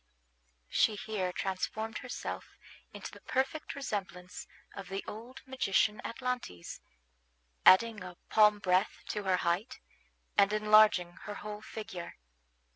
She here transformed herself into the perfect resemblance of the old magician Atlantes, adding a palm breadth to her height, and enlarging her whole figure.